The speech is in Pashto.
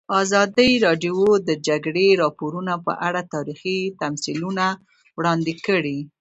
ازادي راډیو د د جګړې راپورونه په اړه تاریخي تمثیلونه وړاندې کړي.